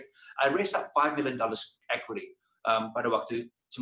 saya meningkatkan ekuiti lima juta dolar pada waktu seribu sembilan ratus sembilan puluh enam